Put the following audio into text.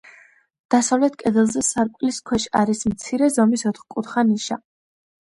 დასავლეთ კედელზე სარკმლის ქვეშ არის მცირე ზომის ოთხკუთხა ნიშა.